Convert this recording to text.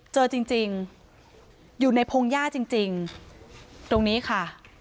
เจอจริงอยู่ในพงหญ้าจริงจริงตรงนี้ค่ะ